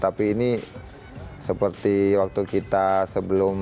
tapi ini seperti waktu kita sebelum